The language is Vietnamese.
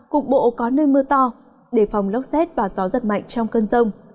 cục bộ có nơi mưa to đề phòng lốc xét và gió giật mạnh trong cơn rông